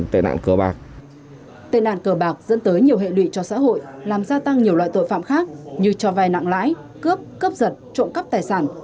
tệ nạn cờ bạc cờ bạc dẫn tới nhiều hệ lụy cho xã hội làm gia tăng nhiều loại tội phạm khác như cho vai nặng lãi cướp cướp giật trộm cắp tài sản